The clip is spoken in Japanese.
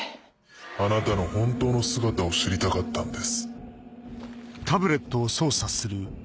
あなたの本当の姿を知りたかったんです。